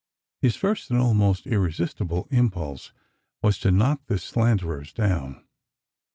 His first and almost irresistible impulse was to knock the slanderers down.